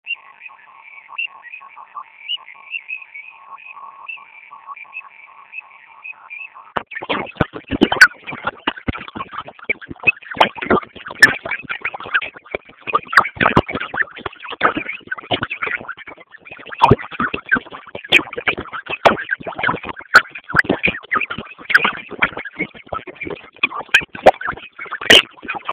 mwezi juai mwaka huu kulingana na makubaliano ya amani mwaka